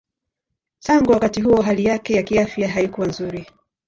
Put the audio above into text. Tangu wakati huo hali yake ya kiafya haikuwa nzuri.